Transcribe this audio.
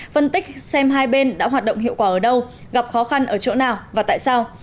phân tích xem hai bên đã hoạt động hiệu quả ở đâu gặp khó khăn ở chỗ nào và tại sao